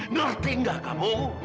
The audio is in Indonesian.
ngerti gak kamu